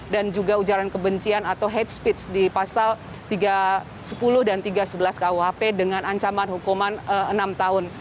dan juga ujaran kebencian atau hate speech di pasal tiga ratus sepuluh dan tiga ratus sebelas kuhp dengan ancaman hukuman enam tahun